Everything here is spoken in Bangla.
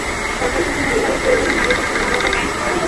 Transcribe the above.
সরকার যদি মনে করে প্রয়োজনে নারীদের জন্য আলাদা ব্যাংক করা হবে।